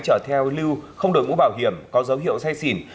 chở theo lưu không đổi mũ bảo hiểm có dấu hiệu say xỉn